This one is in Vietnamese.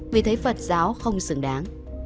vì thấy phật giáo không xứng đáng